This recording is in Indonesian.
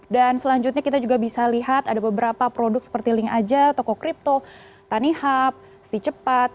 dan selanjutnya kita juga bisa lihat ada beberapa produk seperti linkaja tokocrypto tanihub cicep com